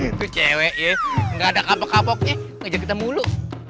itu cewek ya gaada kabok kaboknya ngajak kita mulu